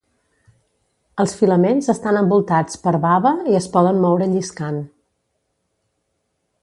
Els filaments estan envoltats per bava i es poden moure lliscant.